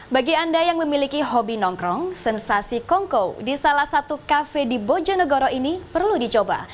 bagi anda yang memiliki hobi nongkrong sensasi kongko di salah satu kafe di bojonegoro ini perlu dicoba